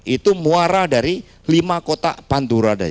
itu muara dari lima kota pantura